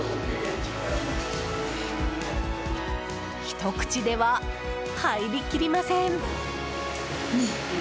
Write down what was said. ひと口では入りきりません。